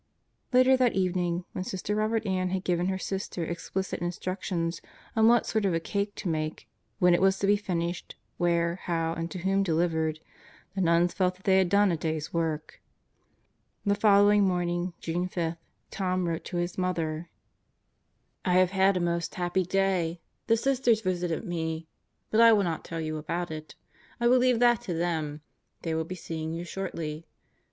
Later that evening, when Sister Robert Ann had given her sister explicit instructions on what sort of a cake to make, when it was to be finished, where, how and to whom delivered, the nuns felt that they had done a day's work. The following morning, June 5, Tom wrote to his mother: 74 God Goes to Murderer's Row I have had a most happy day I The Sisters visited mel But I will not tell you about it. I will leave that to them. They will be seeing you shortly.